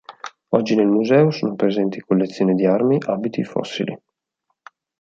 Oggi nel museo sono presenti collezioni di armi, abiti, fossili.